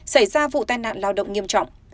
xảy ra vụ tai nạn lao động nghiêm trọng